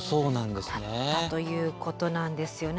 だったということなんですよね。